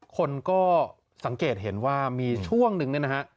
คนก็สังเกตเห็นว่ามีช่วงหนึ่ง